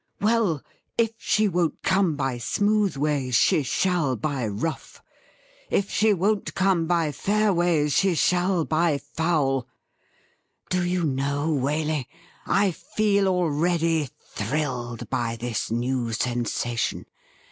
' Well, if she won't come by smooth ways she shall by rough ! If she won't come by fair ways she shall by foul ! Do you know, Waley, I feel already thrilled by this new sensation